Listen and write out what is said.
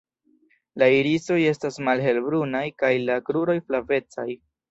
La irisoj estas malhelbrunaj kaj la kruroj flavecaj.